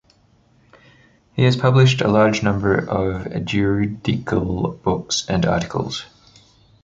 He has published a large number of juridical books and articles.